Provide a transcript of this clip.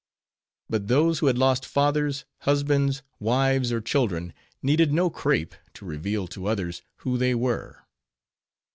But those who had lost fathers, husbands, wives, or children, needed no crape, to reveal to others, who they were.